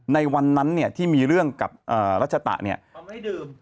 ในวันนั้นเนี้ยที่มีเรื่องกับอ่ารัชตะเนี้ยเขาไม่ได้ดื่ม